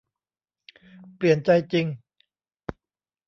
เปลี่ยนใจจริง